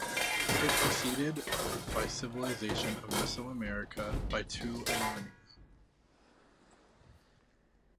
It preceded the civilization of Mesoamerica by two millennia.